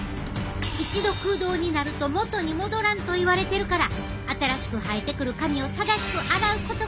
一度空洞になると元に戻らんといわれてるから新しく生えてくる髪を正しく洗うことが重要やで！